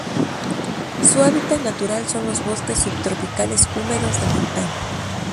Su hábitat natural son los bosques subtropicales húmedos de montaña.